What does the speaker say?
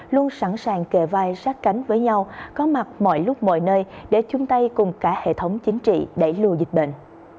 luôn sẵn sàng kề vai sát cánh với nhau có mặt mọi lúc mọi nơi để chung tay cùng cả hệ thống chính trị đẩy lùi dịch bệnh